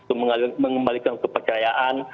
untuk mengembalikan kepercayaan